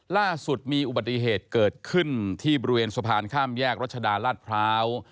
ล่าสุดมีอุบัติเหตุเกิดขึ้นที่บริเวณสะพานข้ามแยกรัชดาลาดพร้าว